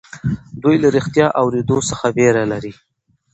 دوی له رښتيا اورېدو څخه وېره لري.